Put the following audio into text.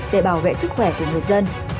để bảo vệ sức khỏe của người dân